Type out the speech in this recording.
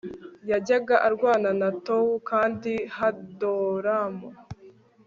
yajyaga arwana na Towu Kandi Hadoramu